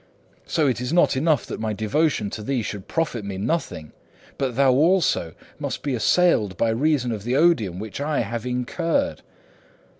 So it is not enough that my devotion to thee should profit me nothing, but thou also must be assailed by reason of the odium which I have incurred.